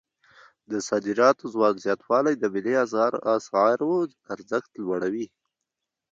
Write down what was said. د صادراتو زیاتوالی د ملي اسعارو ارزښت لوړوي.